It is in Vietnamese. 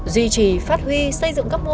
duy trì phát huy xây dựng các pháp luật